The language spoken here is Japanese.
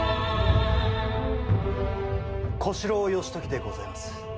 小四郎義時でございます。